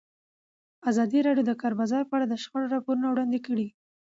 ازادي راډیو د د کار بازار په اړه د شخړو راپورونه وړاندې کړي.